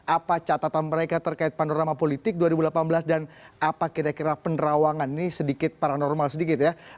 apa catatan mereka terkait panorama politik dua ribu delapan belas dan apa kira kira penerawangan ini sedikit paranormal sedikit ya